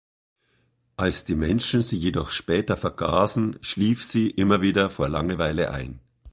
Als die Menschen sie jedoch später vergaßen, schlief sie immer wieder vor Langeweile ein.